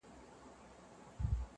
ځوانان له هغه ځایه تېرېږي ډېر,